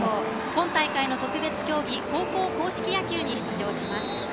今大会の特別競技高校硬式野球に出場します。